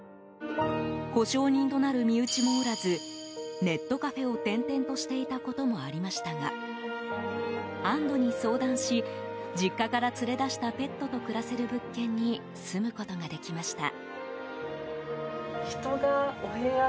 保証人となる身内もおらずネットカフェを転々としていたこともありましたがあんどに相談し実家から連れ出したペットと暮らせる物件に住むことができました。